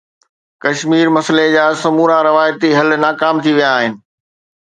ڪشمير مسئلي جا سمورا روايتي حل ناڪام ٿي ويا آهن.